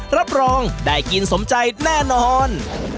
รับรองได้กินสมใจแน่นอน